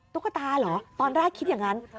ตุ๊กตาเหรอตอนแรกคิดอย่างนั้น